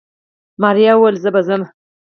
ماريا وويل زه به ځم.